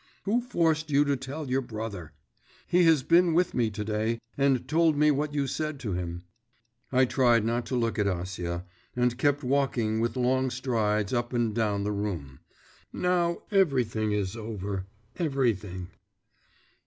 Who forced you to tell your brother? He has been with me to day, and told me what you said to him.' I tried not to look at Acia, and kept walking with long strides up and down the room. 'Now everything is over, everything.